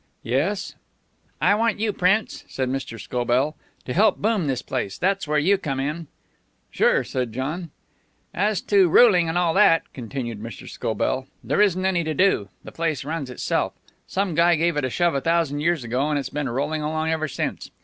"Yes!" "I want you, Prince," said Mr. Scobell, "to help boom this place. That's where you come in." "Sure," said John. "As to ruling and all that," continued Mr. Scobell, "there isn't any to do. The place runs itself. Some guy gave it a shove a thousand years ago, and it's been rolling along ever since.